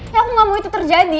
ya aku gak mau itu terjadi